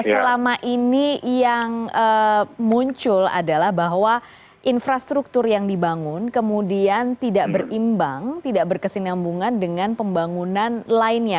selama ini yang muncul adalah bahwa infrastruktur yang dibangun kemudian tidak berimbang tidak berkesinambungan dengan pembangunan lainnya